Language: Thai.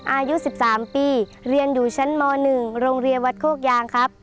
อายุ๑๓ปีเรียนอยู่ชั้นม๑โรงเรียนวัดโคกยางครับ